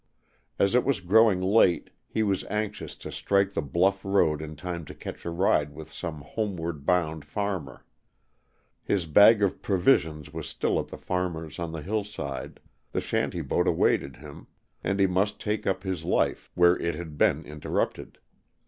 As it was growing late he was anxious to strike the bluff road in time to catch a ride with some homeward bound farmer. His bag of provisions was still at the farmer's on the hillside; the shanty boat awaited him, and he must take up his life where it had been interrupted.